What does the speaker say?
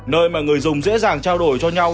nơi mà người dùng dễ dàng trao đổi cho nhau